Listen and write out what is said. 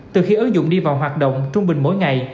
từ khi ứng dụng đi vào hoạt động trung bình mỗi ngày